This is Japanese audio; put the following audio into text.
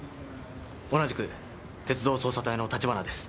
同じく鉄道捜査隊の立花です。